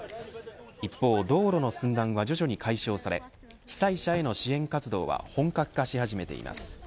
一方、道路の寸断は徐々に解消され被災者への支援活動は本格化し始めています。